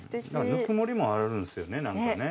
ぬくもりもあるんですよねなんかね。